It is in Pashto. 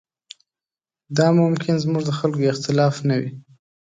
دا ممکن زموږ د خلکو اختلاف نه وي.